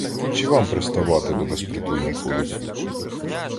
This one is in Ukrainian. Чи вам приставати до безпритульних волоцюг?